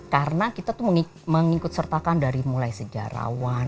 karena kita tuh mengikut sertakan dari mulai sejarawan